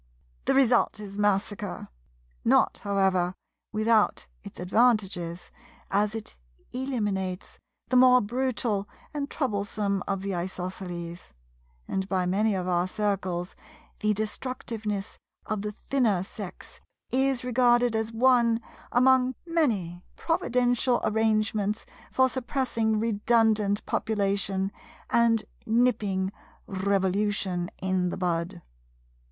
The result is massacre; not, however, without its advantages, as it eliminates the more brutal and troublesome of the Isosceles; and by many of our Circles the destructiveness of the Thinner Sex is regarded as one among many providential arrangements for suppressing redundant population, and nipping Revolution in the bud.